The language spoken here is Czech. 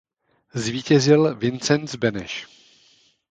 Zvítězil Vincenc Beneš.